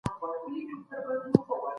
هغوی پر نوي موضوع بحث کوي.